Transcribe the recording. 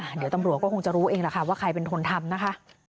เดี๋ยวตำรวจก็คงจะรู้เองว่าใครเป็นทนธรรมนะคะ